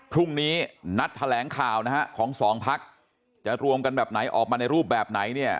พรุ่งนี้นัดแถลงข่าวนะฮะของสองพักจะรวมกันแบบไหนออกมาในรูปแบบไหนเนี่ย